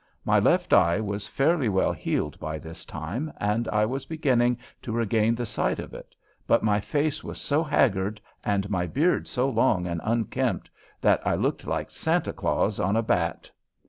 My left eye was fairly well healed by this time, and I was beginning to regain the sight of it, but my face was so haggard and my beard so long and unkempt that I looked like Santa Claus on a "bat."